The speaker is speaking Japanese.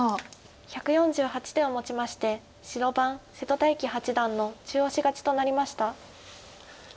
１４８手をもちまして白番瀬戸大樹八段の中押し勝ちとなりました。